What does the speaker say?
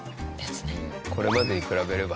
これまでに比べれば。